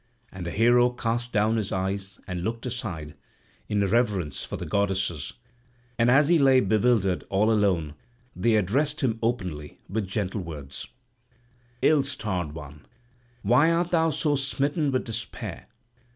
And the hero cast down his eyes and looked aside, in reverence for the goddesses, and as he lay bewildered all alone they addressed him openly with gentle words: "Ill starred one, why art thou so smitten with despair?